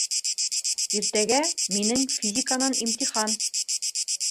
Иртәгә минең физиканан имтихан